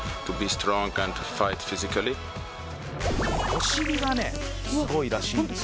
「お尻がねすごいらしいんですよ」